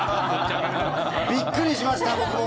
びっくりしました、僕も。